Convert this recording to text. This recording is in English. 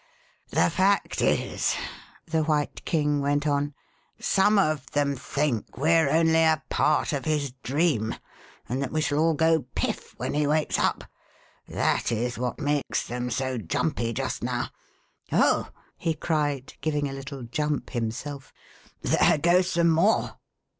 "The fact is," the White King went on, "some of them think we're only a part of his dream, and that ■^^^yYlAUJ THE RED KING IN THE WOOD, we shall all go ' piff ' when he wakes up. That is what makes them so jumpy just now. Oh," he cried, giving a little jump himself, " there go some more